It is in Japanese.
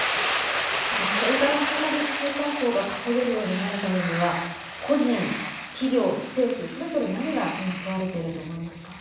これから再び中間層が稼げるようになるためには個人企業政府それぞれ何が今問われていると思いますか。